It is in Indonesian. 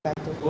bu untuk nkud